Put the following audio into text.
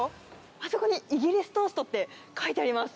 あそこにイギリストーストって書いてあります。